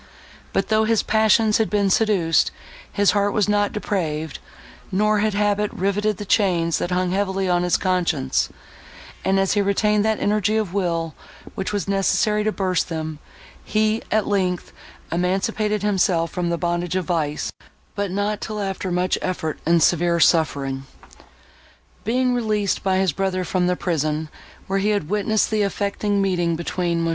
But, though his passions had been seduced, his heart was not depraved, nor had habit riveted the chains, that hung heavily on his conscience; and, as he retained that energy of will, which was necessary to burst them, he, at length, emancipated himself from the bondage of vice, but not till after much effort and severe suffering. Being released by his brother from the prison, where he had witnessed the affecting meeting between Mons.